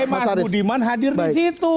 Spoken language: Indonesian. mas budiman hadir di situ